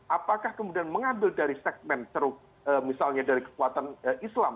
apakah kemudian mengambil dari segmen ceruk misalnya dari kekuatan islam